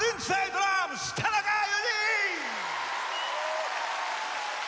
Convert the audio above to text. ドラムス田中裕二！